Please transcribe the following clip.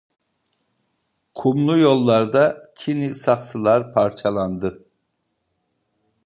Kumlu yollarda çini saksılar parçalandı.